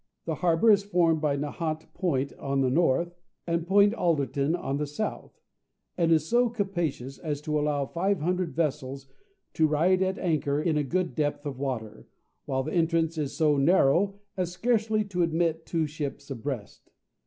The harbour is formed by Nahant Point on the north, and Point Alderton on the south, and is so capacious as to allow five hundred vessels to ride at anchor in a good depth of water, while the entrance is so narrow as scarcely to admit two ships abreast.